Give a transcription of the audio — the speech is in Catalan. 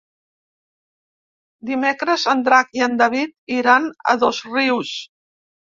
Dimecres en Drac i en David iran a Dosrius.